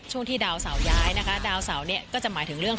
ตอนนี้ก็จะเริ่มประสบความสำเร็จได้เรื่อย